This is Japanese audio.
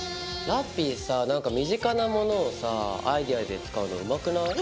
ラッピィさなんか身近なものをさぁアイデアで使うのうまくない？